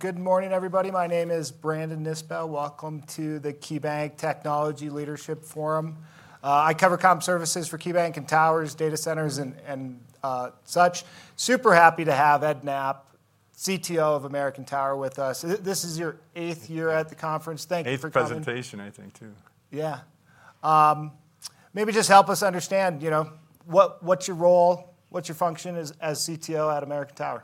Good morning, everybody. My name is Brandon Nispel. Welcome to the KeyBank Technology Leadership Forum. I cover comp services for KeyBank and towers, data centers, and such. Super happy to have Ed Knapp, CTO of American Tower Corporation, with us. This is your eighth year at the conference. Eighth presentation, I think, too. Maybe just help us understand, you know, what's your role, what's your function as CTO at American Tower?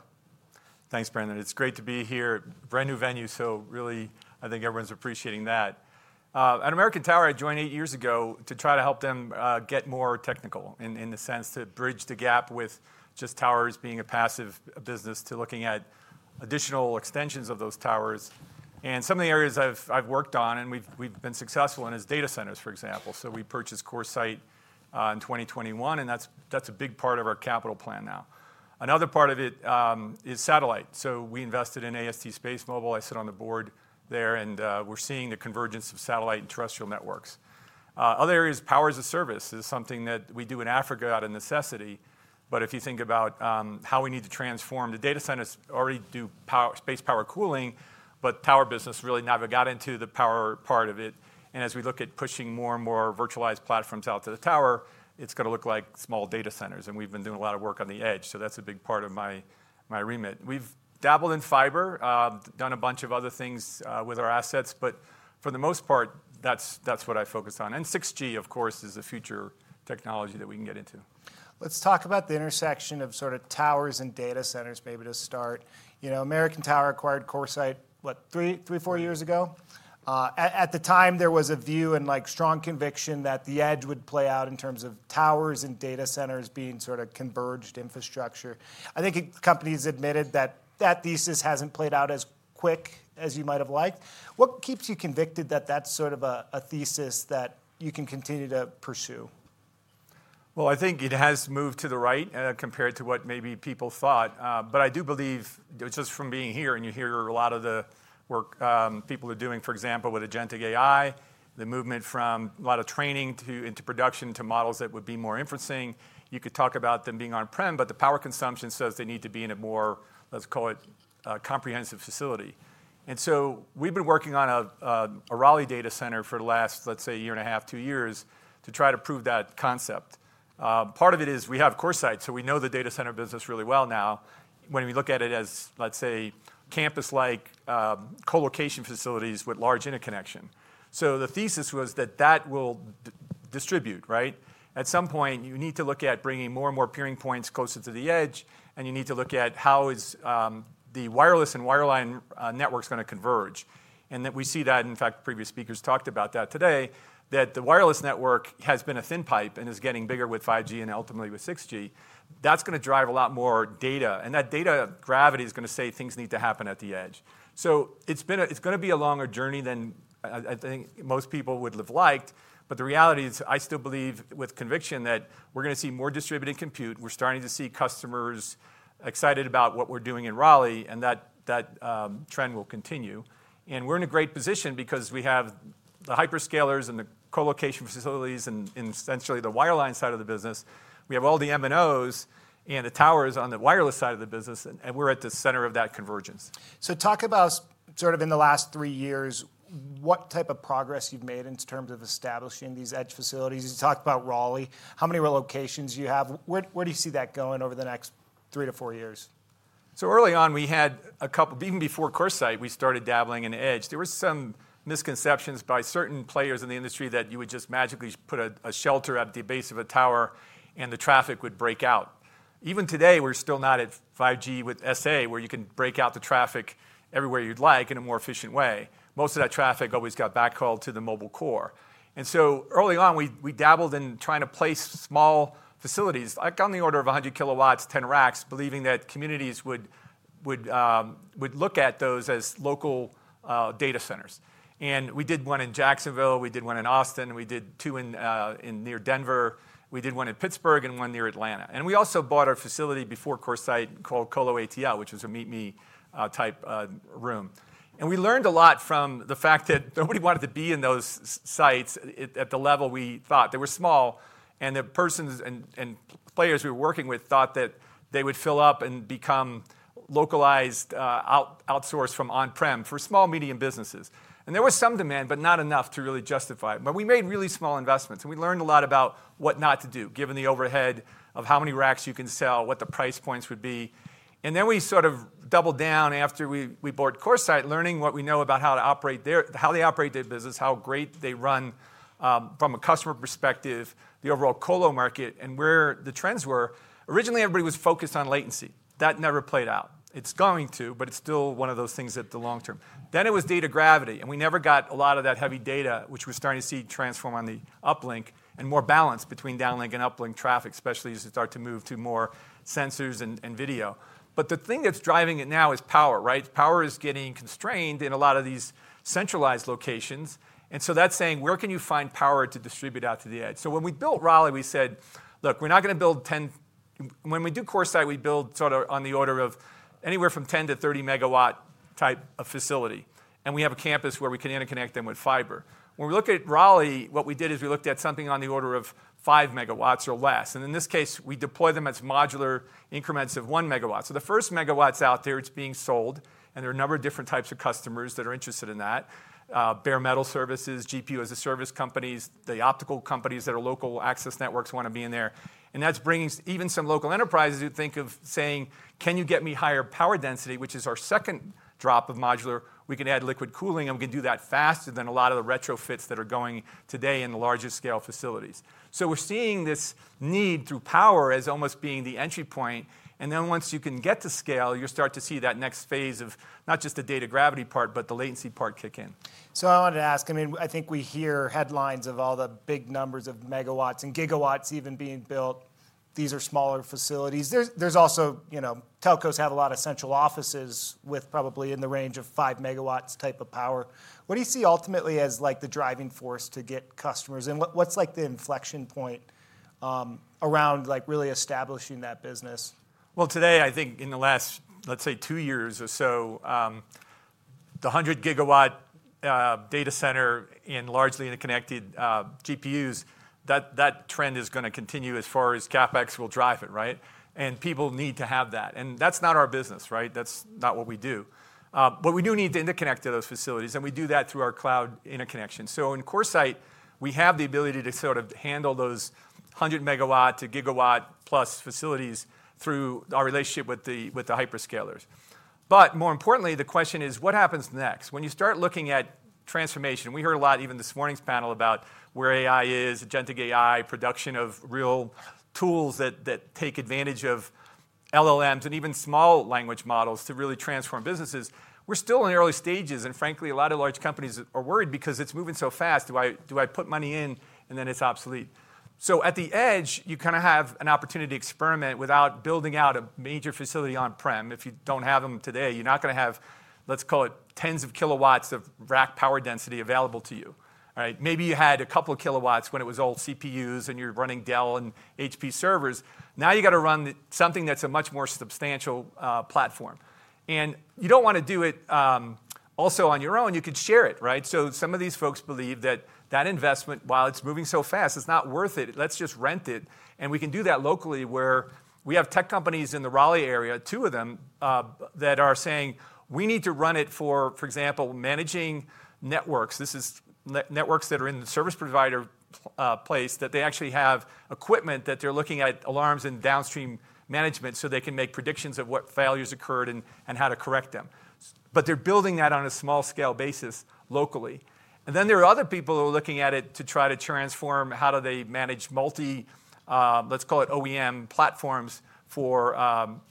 Thanks, Brandon. It's great to be here. Brand new venue, so really, I think everyone's appreciating that. At American Tower, I joined eight years ago to try to help them get more technical, in the sense to bridge the gap with just towers being a passive business to looking at additional extensions of those towers. Some of the areas I've worked on and we've been successful in is data centers, for example. We purchased CoreSite in 2021, and that's a big part of our capital plan now. Another part of it is satellite. We invested in AST SpaceMobile. I sit on the board there, and we're seeing the convergence of satellite and terrestrial networks. Other areas, power as a service is something that we do in Africa out of necessity. If you think about how we need to transform the data centers, already do space power cooling, but the tower business really never got into the power part of it. As we look at pushing more and more virtualized platforms out to the tower, it's going to look like small data centers. We've been doing a lot of work on the edge. That's a big part of my remit. We've dabbled in fiber, done a bunch of other things with our assets, but for the most part, that's what I focus on. 6G, of course, is a future technology that we can get into. Let's talk about the intersection of sort of towers and data centers, maybe to start. You know, American Tower acquired CoreSite, what, three, four years ago? At the time, there was a view and like strong conviction that the edge would play out in terms of towers and data centers being sort of converged infrastructure. I think companies admitted that that thesis hasn't played out as quick as you might have liked. What keeps you convicted that that's sort of a thesis that you can continue to pursue? I think it has moved to the right compared to what maybe people thought. I do believe, just from being here and you hear a lot of the work people are doing, for example, with agentic AI, the movement from a lot of training into production to models that would be more interesting. You could talk about them being on-prem, but the power consumption says they need to be in a more, let's call it, comprehensive facility. We have been working on a Raleigh data center for the last, let's say, a year and a half, two years, to try to prove that concept. Part of it is we have CoreSite, so we know the data center business really well now when we look at it as, let's say, campus-like co-location facilities with large interconnection. The thesis was that that will distribute, right? At some point, you need to look at bringing more and more peering points closer to the edge, and you need to look at how is the wireless and wireline networks going to converge. We see that, in fact, previous speakers talked about that today, that the wireless network has been a thin pipe and is getting bigger with 5G and ultimately with 6G. That is going to drive a lot more data, and that data gravity is going to say things need to happen at the edge. It is going to be a longer journey than I think most people would have liked. The reality is I still believe with conviction that we're going to see more distributed compute. We're starting to see customers excited about what we're doing in Raleigh, and that trend will continue. We're in a great position because we have the hyperscalers and the co-location facilities and essentially the wireline side of the business. We have all the MNOs and the towers on the wireless side of the business, and we're at the center of that convergence. Talk about sort of in the last three years, what type of progress you've made in terms of establishing these edge facilities. You talked about Raleigh. How many relocations do you have? Where do you see that going over the next three to four years? Early on, we had a couple, even before CoreSite, we started dabbling in edge. There were some misconceptions by certain players in the industry that you would just magically put a shelter at the base of a tower and the traffic would break out. Even today, we're still not at 5G with SA, where you can break out the traffic everywhere you'd like in a more efficient way. Most of that traffic always got backhauled to the mobile core. Early on, we dabbled in trying to place small facilities, like on the order of 100 KW, 10 racks, believing that communities would look at those as local data centers. We did one in Jacksonville, one in Austin, two near Denver, one in Pittsburgh, and one near Atlanta. We also bought a facility before CoreSite called Colo Atl, which was a meet-me type room. We learned a lot from the fact that nobody wanted to be in those sites at the level we thought. They were small, and the persons and players we were working with thought that they would fill up and become localized, outsourced from on-prem for small, medium businesses. There was some demand, but not enough to really justify it. We made really small investments, and we learned a lot about what not to do, given the overhead of how many racks you can sell, what the price points would be. We sort of doubled down after we bought CoreSite, learning what we know about how to operate there, how they operate their business, how great they run from a customer perspective, the overall colo market, and where the trends were. Originally, everybody was focused on latency. That never played out. It's going to, but it's still one of those things that the long term. Then it was data gravity, and we never got a lot of that heavy data, which we're starting to see transform on the uplink and more balance between downlink and uplink traffic, especially as we start to move to more sensors and video. The thing that's driving it now is power, right? Power is getting constrained in a lot of these centralized locations. That's saying, where can you find power to distribute out to the edge? When we built Raleigh, we said, look, we're not going to build 10. When we do CoreSite, we build sort of on the order of anywhere from 10 MW-30 MW type of facility. We have a campus where we can interconnect them with fiber. When we look at Raleigh, what we did is we looked at something on the order of 5 MW or less. In this case, we deploy them as modular increments of 1 MW. The first megawatt is out there, it's being sold. There are a number of different types of customers that are interested in that. Bare metal services, GPU-as-a-service companies, the optical companies that are local access networks want to be in there. That's bringing even some local enterprises who think of saying, can you get me higher power density, which is our second drop of modular? We can add liquid cooling, and we can do that faster than a lot of the retrofits that are going today in the larger scale facilities. We're seeing this need through power as almost being the entry point. Once you can get to scale, you start to see that next phase of not just the data gravity part, but the latency part kick in. I wanted to ask, I mean, I think we hear headlines of all the big numbers of megawatts and gigawatts even being built. These are smaller facilities. There's also, you know, telcos have a lot of central offices with probably in the range of 5 MW type of power. What do you see ultimately as like the driving force to get customers? What's like the inflection point around like really establishing that business? Today, I think in the last, let's say, two years or so, the 100 GW data center and largely interconnected GPUs, that trend is going to continue as far as CapEx will drive it, right? People need to have that. That's not our business, right? That's not what we do. We do need to interconnect to those facilities, and we do that through our cloud interconnection. In CoreSite, we have the ability to sort of handle those 100 MW to gigawatt plus facilities through our relationship with the hyperscalers. More importantly, the question is, what happens next? When you start looking at transformation, we heard a lot even in this morning's panel about where AI is, agentic AI, production of real tools that take advantage of LLMs and even small language models to really transform businesses. We're still in early stages, and frankly, a lot of large companies are worried because it's moving so fast. Do I put money in and then it's obsolete? At the edge, you kind of have an opportunity to experiment without building out a major facility on-prem. If you don't have them today, you're not going to have, let's call it, tens of kilowatts of rack power density available to you. Maybe you had a couple of kilowatts when it was old CPUs and you're running Dell and HP servers. Now you got to run something that's a much more substantial platform. You don't want to do it also on your own. You can share it, right? Some of these folks believe that that investment, while it's moving so fast, it's not worth it. Let's just rent it. We can do that locally where we have tech companies in the Raleigh area, two of them, that are saying we need to run it for, for example, managing networks. This is networks that are in the service provider place that they actually have equipment that they're looking at alarms and downstream management so they can make predictions of what failures occurred and how to correct them. They're building that on a small scale basis locally. There are other people who are looking at it to try to transform how do they manage multi, let's call it OEM platforms for adding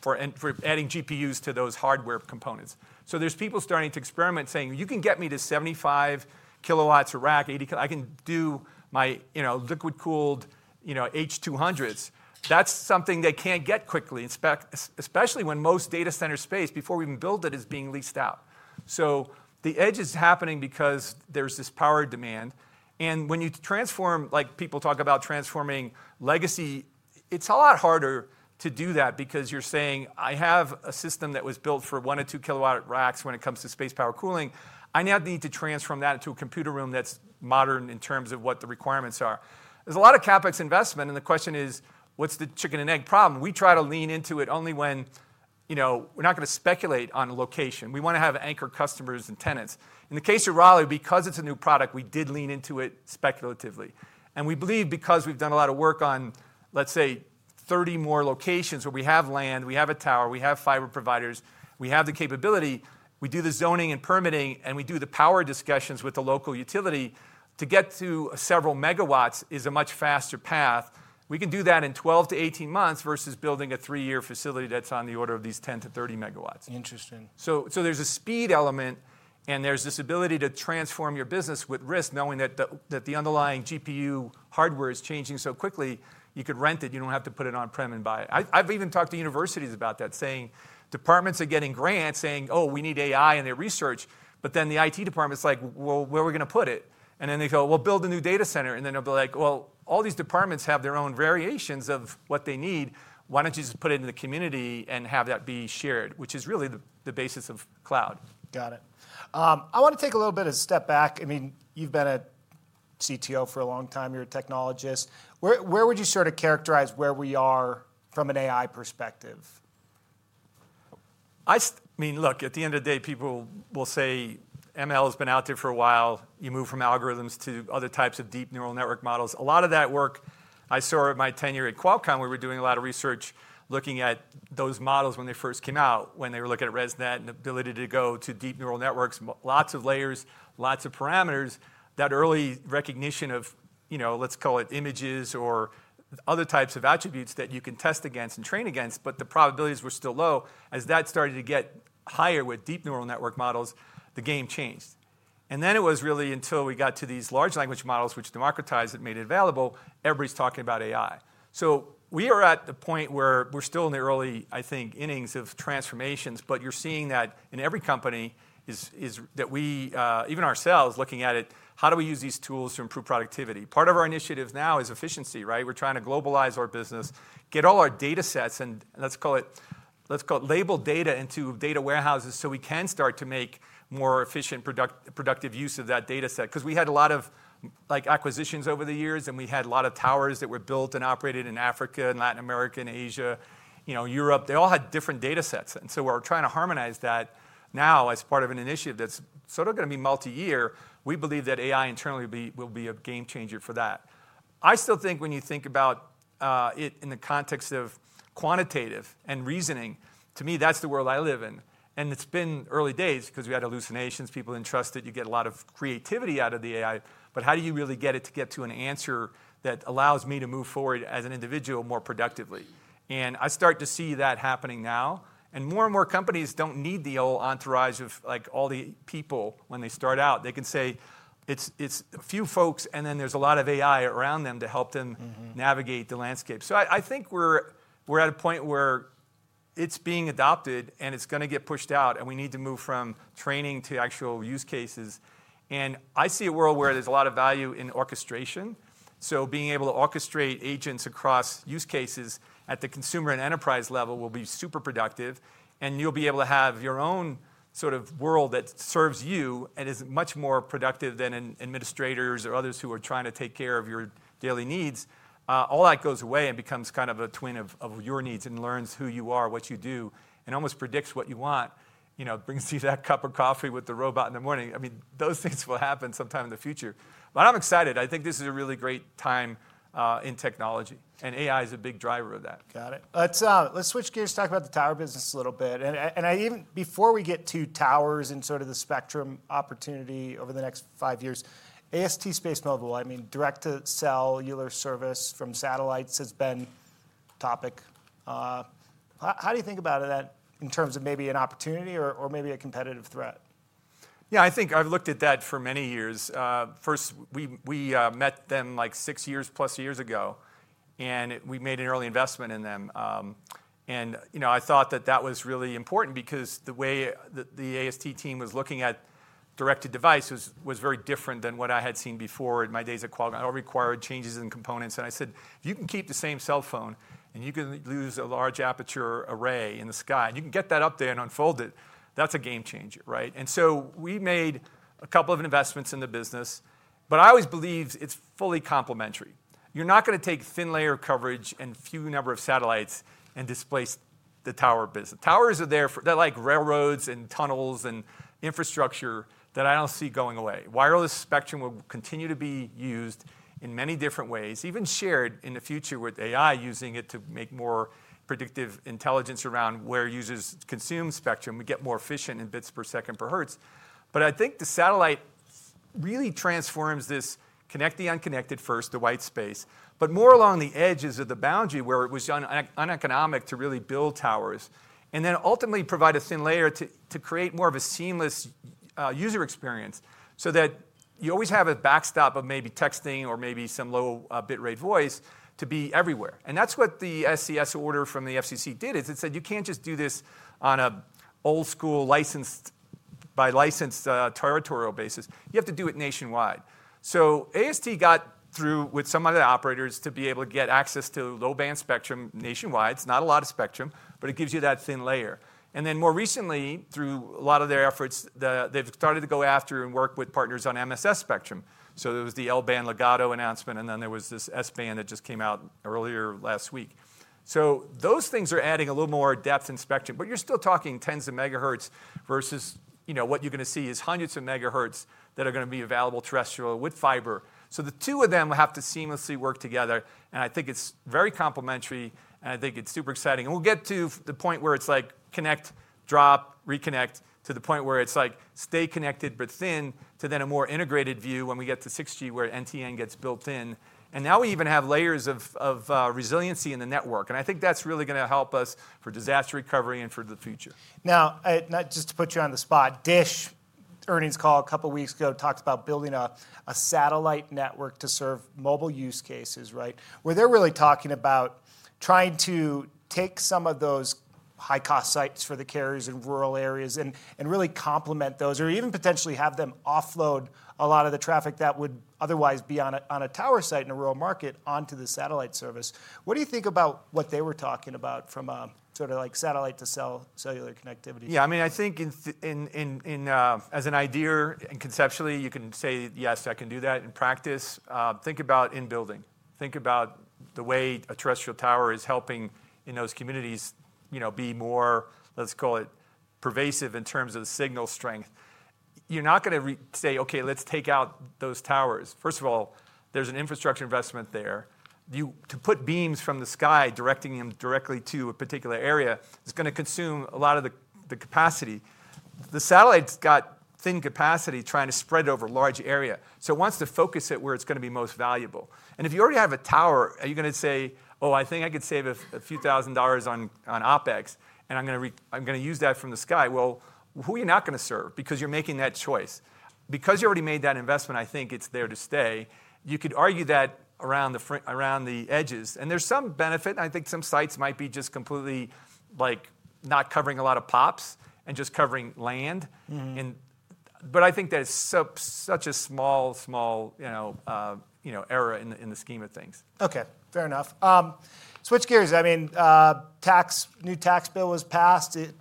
GPUs to those hardware components. There's people starting to experiment saying, you can get me to 75 KW a rack, 80 KW. I can do my liquid cooled H200s. That's something they can't get quickly, especially when most data center space before we even build it is being leased out. The edge is happening because there's this power demand. When you transform, like people talk about transforming legacy, it's a lot harder to do that because you're saying, I have a system that was built for 1 KW or 2 KW racks when it comes to space, power, cooling. I now need to transform that into a computer room that's modern in terms of what the requirements are. There's a lot of CapEx investment, and the question is, what's the chicken and egg problem? We try to lean into it only when we're not going to speculate on a location. We want to have anchor customers and tenants. In the case of Raleigh, because it's a new product, we did lean into it speculatively. We believe because we've done a lot of work on, let's say, 30 more locations where we have land, we have a tower, we have fiber providers, we have the capability, we do the zoning and permitting, and we do the power discussions with the local utility to get to several megawatts is a much faster path. We can do that in 12-8 months versus building a three-year facility that's on the order of these 10 MW-30 MW Interesting. There is a speed element, and there is this ability to transform your business with risk knowing that the underlying GPU hardware is changing so quickly. You could rent it. You do not have to put it on-prem and buy it. I have even talked to universities about that, saying departments are getting grants saying, oh, we need AI in their research. The IT department is like, where are we going to put it? They go, build a new data center. All these departments have their own variations of what they need. Why do you not just put it in the community and have that be shared, which is really the basis of cloud? Got it. I want to take a little bit of a step back. I mean, you've been a CTO for a long time. You're a technologist. Where would you sort of characterize where we are from an AI perspective? I mean, look, at the end of the day, people will say ML has been out there for a while. You move from algorithms to other types of deep neural network models. A lot of that work I saw in my tenure at Qualcomm, we were doing a lot of research looking at those models when they first came out, when they were looking at ResNet and the ability to go to deep neural networks, lots of layers, lots of parameters, that early recognition of, you know, let's call it images or other types of attributes that you can test against and train against. The probabilities were still low. As that started to get higher with deep neural network models, the game changed. It was really until we got to these large language models, which democratized it, made it available. Everybody's talking about AI. We are at the point where we're still in the early, I think, innings of transformations. You're seeing that in every company is that we, even ourselves, looking at it, how do we use these tools to improve productivity? Part of our initiative now is efficiency, right? We're trying to globalize our business, get all our data sets, and let's call it labeled data into data warehouses so we can start to make more efficient, productive use of that data set. We had a lot of acquisitions over the years, and we had a lot of towers that were built and operated in Africa and Latin America and Asia, you know, Europe. They all had different data sets. We're trying to harmonize that now as part of an initiative that's sort of going to be multi-year. We believe that AI internally will be a game changer for that. I still think when you think about it in the context of quantitative and reasoning, to me, that's the world I live in. It's been early days because we had hallucinations, people entrusted. You get a lot of creativity out of the AI. How do you really get it to get to an answer that allows me to move forward as an individual more productively? I start to see that happening now. More and more companies don't need the old entourage of like all the people when they start out. They can say it's a few folks, and then there's a lot of AI around them to help them navigate the landscape. I think we're at a point where it's being adopted, and it's going to get pushed out. We need to move from training to actual use cases. I see a world where there's a lot of value in orchestration. Being able to orchestrate agents across use cases at the consumer and enterprise level will be super productive. You'll be able to have your own sort of world that serves you and is much more productive than administrators or others who are trying to take care of your daily needs. All that goes away and becomes kind of a twin of your needs and learns who you are, what you do, and almost predicts what you want. It brings you that cup of coffee with the robot in the morning. I mean, those things will happen sometime in the future. I'm excited. I think this is a really great time in technology. AI is a big driver of that. Got it. Let's switch gears, talk about the tower business a little bit. Before we get to towers and sort of the spectrum opportunity over the next five years, AST SpaceMobile, I mean, direct to cell service from satellites has been a topic. How do you think about it in terms of maybe an opportunity or maybe a competitive threat? Yeah, I think I've looked at that for many years. First, we met them like six years, plus years ago. We made an early investment in them. I thought that that was really important because the way the AST team was looking at directed devices was very different than what I had seen before in my days at Qualcomm. It all required changes in components. I said, if you can keep the same cell phone and you can use a large aperture array in the sky and you can get that up there and unfold it, that's a game changer, right? We made a couple of investments in the business. I always believe it's fully complementary. You're not going to take thin layer coverage and a few number of satellites and displace the tower business. Towers are there for, they're like railroads and tunnels and infrastructure that I don't see going away. Wireless spectrum will continue to be used in many different ways, even shared in the future with AI using it to make more predictive intelligence around where users consume spectrum. We get more efficient in bits per second per hertz. I think the satellite really transforms this connect the unconnected first, the white space, but more along the edges of the boundary where it was uneconomic to really build towers and then ultimately provide a thin layer to create more of a seamless user experience so that you always have a backstop of maybe texting or maybe some low bitrate voice to be everywhere. That's what the SCS order from the FCC did, it said you can't just do this on an old school licensed by licensed territorial basis. You have to do it nationwide. AST got through with some of the operators to be able to get access to low band spectrum nationwide. It's not a lot of spectrum, but it gives you that thin layer. More recently, through a lot of their efforts, they've started to go after and work with partners on MSS spectrum. There was the L-band Legato announcement, and then there was this S-band that just came out earlier last week. Those things are adding a little more depth and spectrum, but you're still talking tens of megahertz versus what you're going to see is hundreds of megahertz that are going to be available terrestrial with fiber. The two of them will have to seamlessly work together. I think it's very complementary, and I think it's super exciting. We'll get to the point where it's like connect, drop, reconnect to the point where it's like stay connected but thin to then a more integrated view when we get to 6G where NTN gets built in. Now we even have layers of resiliency in the network. I think that's really going to help us for disaster recovery and for the future. Now, not just to put you on the spot, DISH earnings call a couple of weeks ago talked about building a satellite network to serve mobile use cases, right? Where they're really talking about trying to take some of those high-cost sites for the carriers in rural areas and really complement those or even potentially have them offload a lot of the traffic that would otherwise be on a tower site in a rural market onto the satellite service. What do you think about what they were talking about from a sort of like satellite-to-cell connectivity? Yeah, I mean, I think as an idea and conceptually, you can say yes, I can do that. In practice, think about in-building. Think about the way a terrestrial tower is helping in those communities, you know, be more, let's call it pervasive in terms of signal strength. You're not going to say, okay, let's take out those towers. First of all, there's an infrastructure investment there. To put beams from the sky directing them directly to a particular area is going to consume a lot of the capacity. The satellite's got thin capacity trying to spread over a large area. It wants to focus it where it's going to be most valuable. If you already have a tower, are you going to say, oh, I think I could save a few thousand dollars on OpEx and I'm going to use that from the sky? Who are you not going to serve? Because you're making that choice. You already made that investment, I think it's there to stay. You could argue that around the edges. There's some benefit. I think some sites might be just completely like not covering a lot of pops and just covering land. I think that it's such a small, small, you know, error in the scheme of things. Okay, fair enough. Switch gears. I mean, a new tax bill was passed. It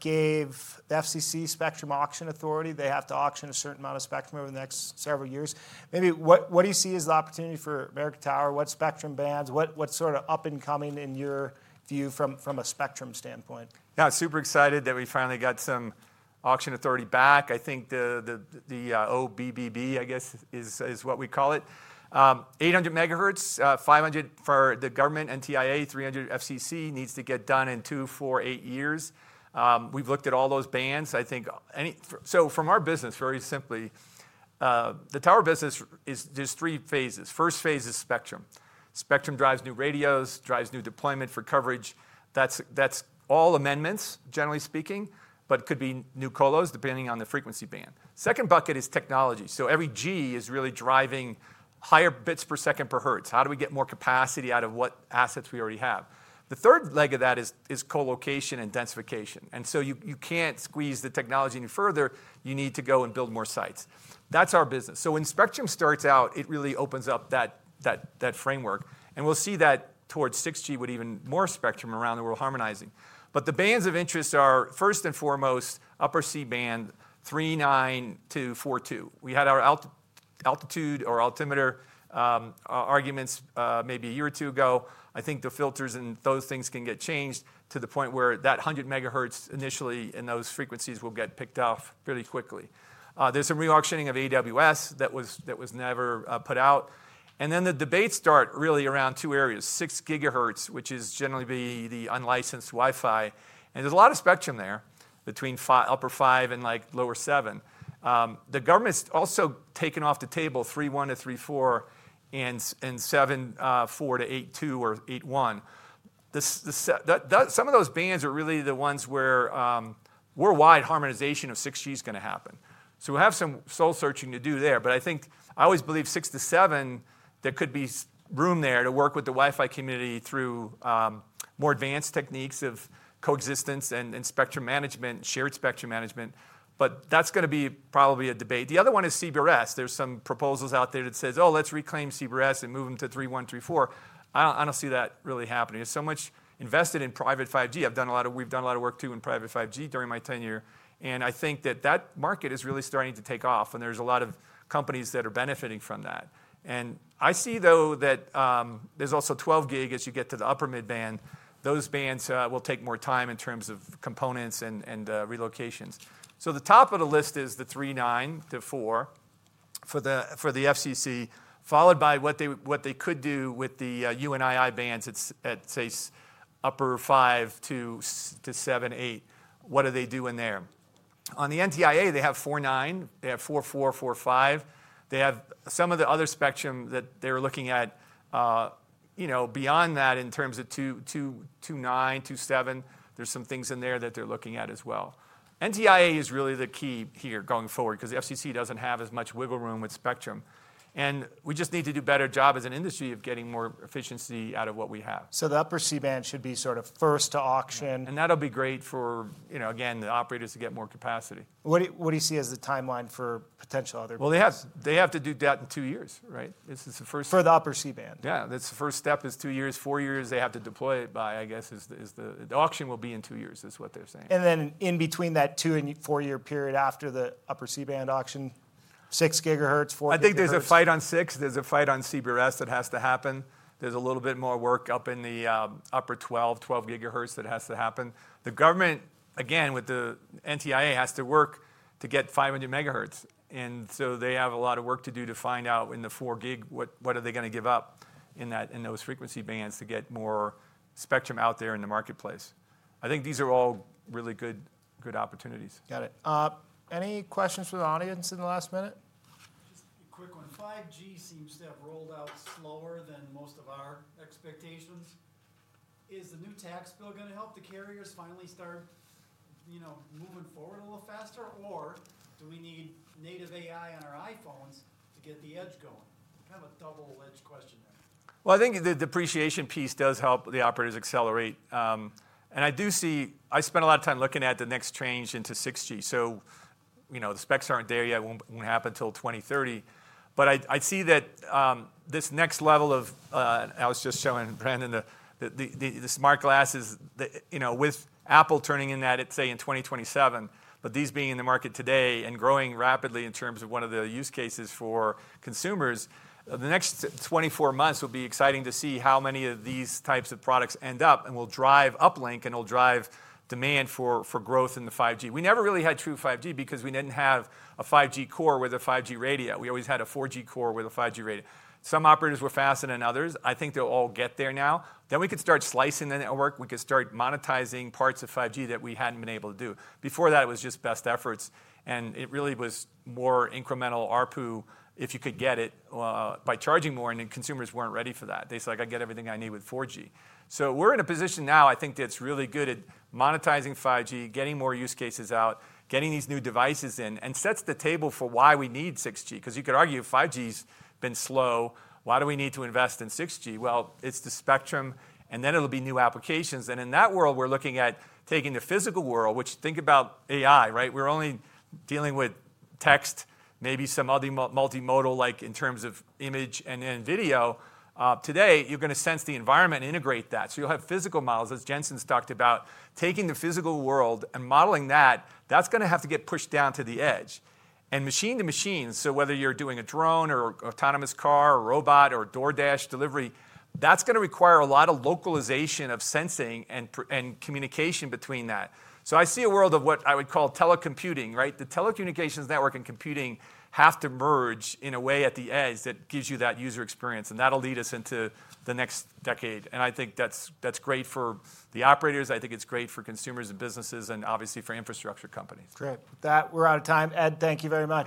gave the FCC spectrum auction authority. They have to auction a certain amount of spectrum over the next several years. Maybe what do you see as the opportunity for American Tower? What spectrum bands? What's sort of up and coming in your view from a spectrum standpoint? Yeah, super excited that we finally got some auction authority back. I think the OBBB, I guess, is what we call it. 800 MHz, 500 for the government NTIA, 300 FCC needs to get done in two, four, eight years. We've looked at all those bands. I think any, so from our business, very simply, the tower business is there's three phases. First phase is spectrum. Spectrum drives new radios, drives new deployment for coverage. That's all amendments, generally speaking, but could be new colos depending on the frequency band. Second bucket is technology. Every G is really driving higher bits per second per hertz. How do we get more capacity out of what assets we already have? The third leg of that is colocation and densification. You can't squeeze the technology any further. You need to go and build more sites. That's our business. When spectrum starts out, it really opens up that framework. We'll see that towards 6G with even more spectrum around the world harmonizing. The bands of interest are, first and foremost, upper C-band, 3.9-4.2. We had our altitude or altimeter arguments maybe a year or two ago. I think the filters and those things can get changed to the point where that 100 MHz initially in those frequencies will get picked off fairly quickly. There's some re-auctioning of AWS that was never put out. The debates start really around two areas. 6 GHz, which is generally the unlicensed Wi-Fi. There's a lot of spectrum there between upper 5 and like lower 7. The government's also taken off the table 3.1-3.4 and 7.4-8.2 or 8.1. Some of those bands are really the ones where worldwide harmonization of 6G is going to happen. We have some soul searching to do there. I always believe 6-7, there could be room there to work with the Wi-Fi community through more advanced techniques of coexistence and spectrum management, shared spectrum management. That's going to be probably a debate. The other one is CBRS. There's some proposals out there that say, oh, let's reclaim CBRS and move them to 3.1-3.4. I don't see that really happening. There's so much invested in private 5G. I've done a lot of, we've done a lot of work too in private 5G during my tenure. I think that that market is really starting to take off. There's a lot of companies that are benefiting from that. I see though that there's also 12 gig as you get to the upper mid band. Those bands will take more time in terms of components and relocations. The top of the list is the 3.9 GHz–4 GHz for the FCC, followed by what they could do with the UNII bands at, say, upper 5-7.8. What are they doing there? On the NTIA, they have 4.9, they have 4.4, 5. They have some of the other spectrum that they're looking at, beyond that in terms of 2.9, 2.7. There are some things in there that they're looking at as well. NTIA is really the key here going forward because the FCC doesn't have as much wiggle room with spectrum. We just need to do a better job as an industry of getting more efficiency out of what we have. The upper C-band should be sort of first to auction. That'll be great for, you know, again, the operators to get more capacity. What do you see as the timeline for potential other? They have to do that in two years, right? This is the first. For the upper C-band. Yeah, that's the first step is two years, four years. They have to deploy it by, I guess, the auction will be in two years, is what they're saying. In between that two and four-year period after the upper C-band auction, 6 GHz, 4 GHz I think there's a fight on 6 GHz. There's a fight on CBRS that has to happen. There's a little bit more work up in the upper 12 GHz that has to happen. The government, again, with the NTIA, has to work to get 500 MHz. They have a lot of work to do to find out in the 4 GHz, what are they going to give up in those frequency bands to get more spectrum out there in the marketplace. I think these are all really good opportunities. Got it. Any questions for the audience in the last minute? Just a quick one. 5G seems to have rolled out slower than most of our expectations. Is the new tax bill going to help the carriers finally start, you know, moving forward a little faster, or do we need native AI on our iPhones to get the edge going? A double-edged question. I think the depreciation piece does help the operators accelerate. I do see, I spent a lot of time looking at the next change into 6G. The specs aren't there yet. It won't happen until 2030. I see that this next level of, I was just showing Brandon the smart glasses, with Apple turning in that, let's say in 2027, but these being in the market today and growing rapidly in terms of one of the use cases for consumers, the next 24 months will be exciting to see how many of these types of products end up and will drive uplink and will drive demand for growth in the 5G. We never really had true 5G because we didn't have a 5G core with a 5G radio. We always had a 4G core with a 5G radio. Some operators were faster than others. I think they'll all get there now. We could start slicing the network. We could start monetizing parts of 5G that we hadn't been able to do. Before that, it was just best efforts. It really was more incremental ARPU if you could get it by charging more, and consumers weren't ready for that. They said, like, I get everything I need with 4G. We're in a position now, I think, that's really good at monetizing 5G, getting more use cases out, getting these new devices in, and sets the table for why we need 6G. You could argue 5G has been slow. Why do we need to invest in 6G? It's the spectrum, and then it'll be new applications. In that world, we're looking at taking the physical world, which think about AI, right? We're only dealing with text, maybe some other multimodal, like in terms of image and video. Today, you're going to sense the environment and integrate that. You'll have physical models, as Jensen's talked about, taking the physical world and modeling that. That's going to have to get pushed down to the edge. Machine to machine, so whether you're doing a drone or an autonomous car or a robot or a DoorDash delivery, that's going to require a lot of localization of sensing and communication between that. I see a world of what I would call telecomputing, right? The telecommunications network and computing have to merge in a way at the edge that gives you that user experience. That'll lead us into the next decade. I think that's great for the operators. I think it's great for consumers and businesses and obviously for infrastructure companies. Great. With that, we're out of time. Ed, thank you very much.